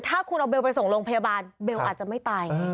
ถ้าคุณเอาเบลไปส่งโรงพยาบาลเบลอาจจะไม่ตาย